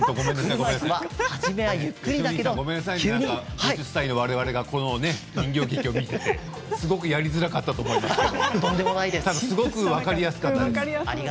５０歳のわれわれが人形劇を見ててすごくやりづらかったと思いますが分かりやすかったです。